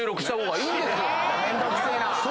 めんどくせえな。